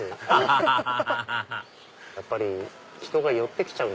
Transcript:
ハハハハやっぱり人が寄ってきちゃう。